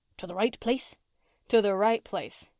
"To the right place?" "To the right place.